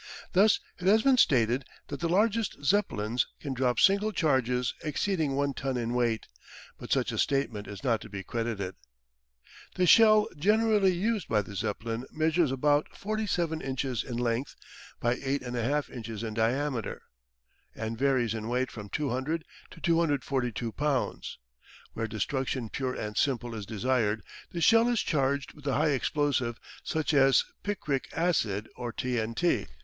Thus it has been stated that the largest Zeppelins can drop single charges exceeding one ton in weight, but such a statement is not to be credited. The shell generally used by the Zeppelin measures about 47 inches in length by 8 1/2 inches in diameter, and varies in weight from 200 to 242 pounds. Where destruction pure and simple is desired, the shell is charged with a high explosive such as picric acid or T.N.T.